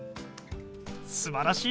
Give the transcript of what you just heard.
すばらしい。